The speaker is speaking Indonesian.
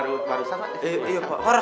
tadi ada orang teriak pak